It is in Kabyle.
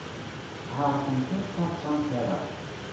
Ɛeṛḍemt ur d-ttaḍṣamt ara.